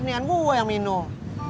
mendingan gue yang minum